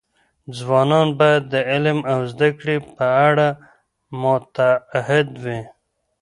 ځوانان باید د علم او زده کړې په اړه متعهد وي.